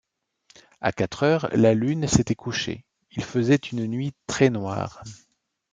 À quatre heures, la lune s’était couchée, il faisait une nuit très noire.